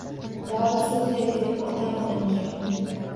Borib so‘zlay, dedim otam, onamga –